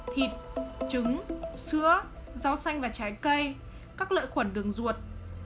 thịt trứng sữa rau xanh và trái cây các lợi khuẩn đường ruột